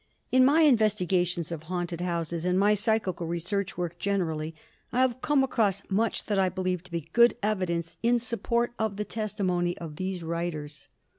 In my investigations of haunted houses and my psychical research work generally, I have come across much that I believe to be good evidence in support of the testimony of these writers.